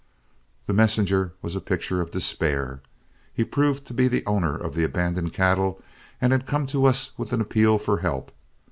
The messenger was a picture of despair. He proved to be the owner of the abandoned cattle, and had come to us with an appeal for help.